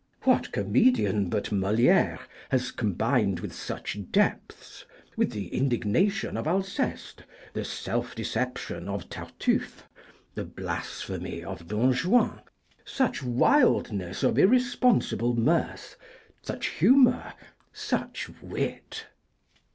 What comedian but Moliére has combined with such depths with the indignation of Alceste, the self deception of Tartufe, the blasphemy of Don Juan such wildness of irresponsible mirth, such humour, such wit!